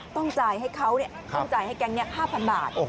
ต้องจ่ายให้เขาต้องจ่ายให้แก๊งนี้๕๐๐บาท